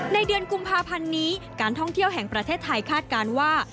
ในเดือนกุมภาพันนี้การท่องเที่ยวข้าดการว่า